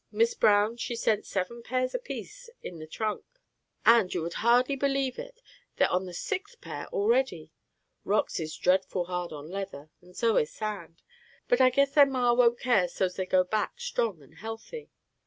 Miss' Brown, she sent seven pairs apiece in the trunk, and, you would hardly believe it, they're on the sixth pair already. Rocks is dreadful hard on leather, and so is sand. But I guess their Ma wont care so's they go back strong and healthy."